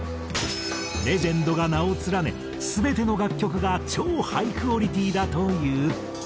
レジェンドが名を連ね全ての楽曲が超ハイクオリティーだという。